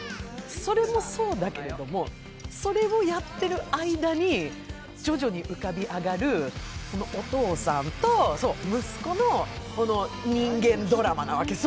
それもそうだけれども、それをやってる間に、徐々に浮かび上がるお父さんと息子の人間ドラマなわけ。